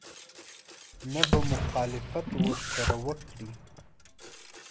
نه به مخالفت ورسره وکړي.